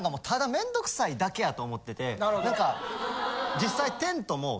実際。